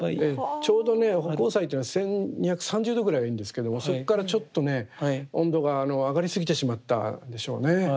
ちょうどね葆光彩というのは１，２３０度ぐらいがいいんですけどもそこからちょっとね温度が上がりすぎてしまったんでしょうね。